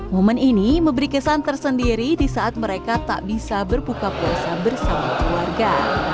momen ini memberi kesan tersendiri di saat mereka tak bisa berbuka puasa bersama keluarga